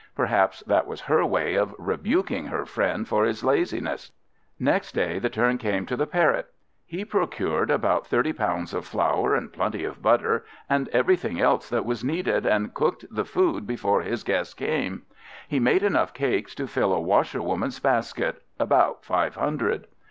Perhaps that was her way of rebuking her friend for his laziness. Next day the turn came to the Parrot. He procured about thirty pounds of flour, and plenty of butter, and everything else that was needed, and cooked the food before his guest came. He made enough cakes to fill a washerwoman's basket about five hundred.